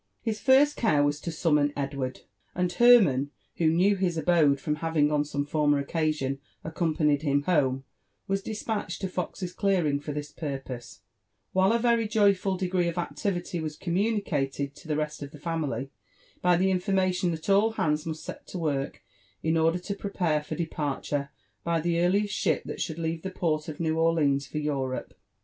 His first care was to summon Edward; and Hermann, who knew his abode from having on some former occasion accompanied him home, was despatched to Fox's clearing, for this purpose ; while a very joyful degree of activity was communicated to the rest of the family, by the information thai all hands must set to work in order to prepare for departure by the earliest ship that should leave the port of New Orleans for Europe.